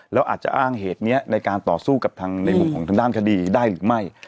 แล้วอาจจะอ้างเหตุนี้ในการต่อสู้กับทางในมุมของทางด้านคดีได้หรือไม่